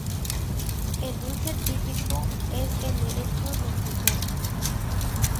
El dulce típico es el hecho de fríjol.